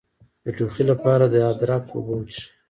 د ټوخي لپاره د ادرک اوبه وڅښئ